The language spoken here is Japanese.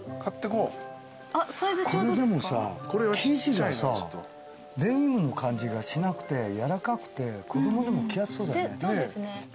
これでもさ生地がデニムの感じがしなくて柔らかくて子供でも着やすそうだね。